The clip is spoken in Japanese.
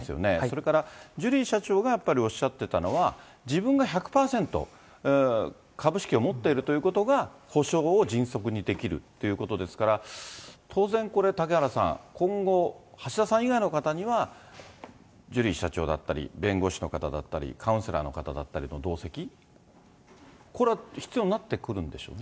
それからジュリー社長がやっぱりおっしゃってたのは、自分が１００％株式を持っているということが補償を迅速にできるということですから、当然これ、嵩原さん、今後、橋田さん以外の方には、ジュリー社長だったり、弁護士の方だったり、カウンセラーの方だったりの同席、これは必要になってくるんでしょうね。